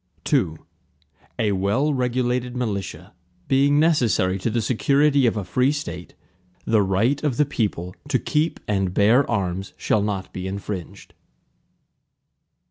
II A well regulated militia, being necessary to the security of a free State, the right of the people to keep and bear arms, shall not be infringed.